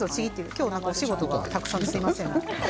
今日はお仕事がたくさんで、すみません。